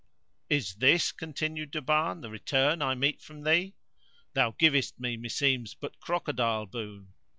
"Is this," continued Duban, "the return I meet from thee? Thou givest me, meseems, but crocodile boon."